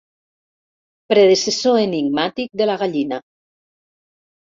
Predecessor enigmàtic de la gallina.